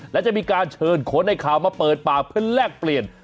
และจะมีการเชิญคนในข่าวมาเปิดปากเพื่อแลกเปลี่ยน